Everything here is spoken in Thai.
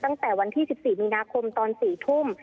ตั้งแต่วันที่๑๔มีนาคมตอน๔ทุ่ม